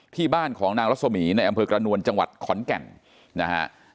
ที่บ้านของนางรัศมีในอำเภอกระนวลจังหวัดขอนแก่นนะฮะ